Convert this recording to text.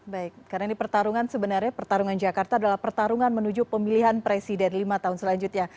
baik karena ini pertarungan sebenarnya pertarungan jakarta adalah pertarungan menuju pemilihan presiden lima tahun selanjutnya